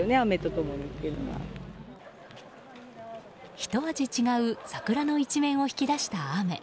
ひと味違う桜の一面を引き出した雨。